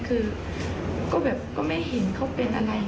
คือก็ไม่เห็นเขาเป็นอะไร